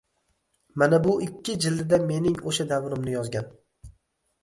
Mana bu ikki jildida mening o’sha davrimni yozgan